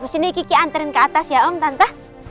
sini kiki anterin ke atas ya om tante